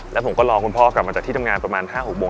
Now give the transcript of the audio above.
แล้วผมก็รอคุณพ่อกลับมาจากที่ทำงานประมาณ๕๖โมง